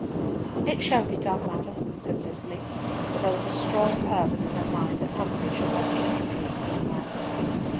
"It shall be done, madam," said Cicely. But there was a strong purpose in her mind that Humfrey should not be implicated in the matter.